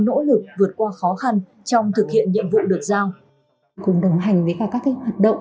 nỗ lực vượt qua khó khăn trong thực hiện nhiệm vụ được giao cùng đồng hành với các hoạt động